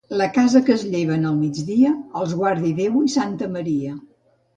La casa que es lleven al migdia, els guardi Déu i santa Maria.